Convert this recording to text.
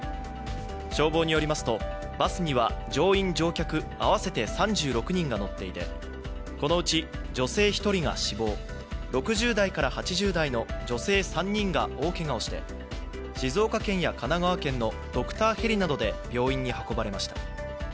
消防によりますと、バスには乗員・乗客合わせて３６人が乗っていてこのうち女性１人が死亡、６０代から８０代の女性３人が大けがをして、静岡県や神奈川県のドクターヘリなどで病院に運ばれました。